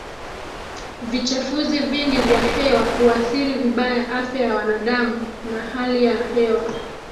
Vichafuzi vingi vya hewa huathiri vibaya afya ya wanadamu na hali ya hewa